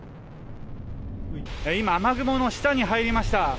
今、雨雲の下に入りました。